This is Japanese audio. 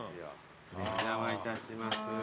お邪魔いたします。